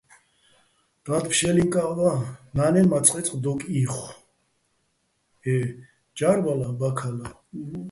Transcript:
და́დ ფშე́ლინკაჸ ვა, ნა́ნენ მა წყე́წყ დოკ იხო-ე ჯა́რბალა, ბაქალა.